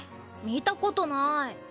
見たことない。